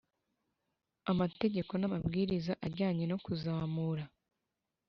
Amategeko n amabwiriza ajyanye no kuzamura